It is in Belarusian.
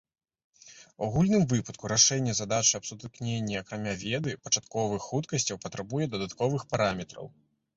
У агульным выпадку рашэнне задачы аб сутыкненні акрамя веды пачатковых хуткасцяў патрабуе дадатковых параметраў.